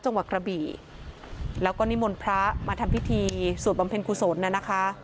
จังหวัดกระบี่แล้วก็นิมนต์พระมาทำพิธีสวดบำเพ็ญกุศลน่ะนะคะ